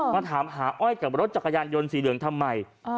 มาถามหาอ้อยกับรถจักรยานยนต์สีเหลืองทำไม